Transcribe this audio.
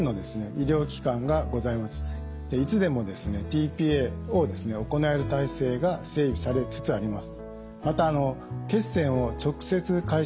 いつでもｔ−ＰＡを行える体制が整備されつつあります。